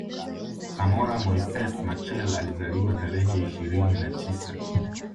Samora Moises Machel Alizaliwa tarehe ishirini na tisa